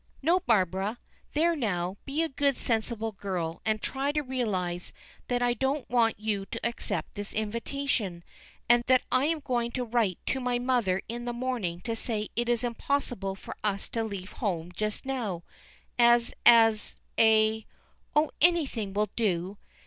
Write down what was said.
"No. Barbara. There now, be a good sensible girl, and try to realize that I don't want you to accept this invitation, and that I am going to write to my mother in the morning to say it is impossible for us to leave home just now as as eh?" "Oh, anything will do."